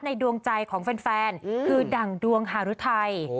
ดวงใจของแฟนคือดั่งดวงหารุทัย